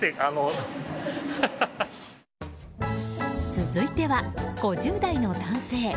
続いては５０代の男性。